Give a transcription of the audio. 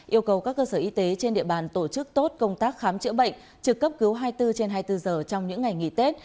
yêu cầu các cơ sở y tế trên địa bàn tổ chức tốt công tác khám chữa bệnh trực cấp cứu hai mươi bốn trên hai mươi bốn giờ trong những ngày nghỉ tết